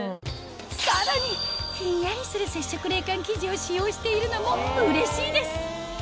さらにひんやりする接触冷感生地を使用しているのもうれしいです